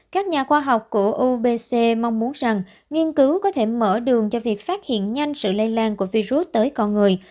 các nhà khoa học của ubc mong muốn rằng nghiên cứu có thể mở đường cho việc phát hiện nhanh sự lây lan của virus tới con người